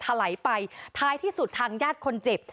ทะไหลไปท้ายที่สุดทางย่าคนเจ็บ